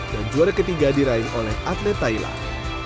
dan juara ketiga diraih oleh atlet thailand